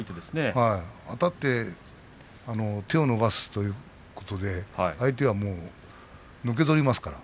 あたって手を伸ばすということで相手はのけぞりますから。